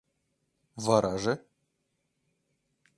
Вараже?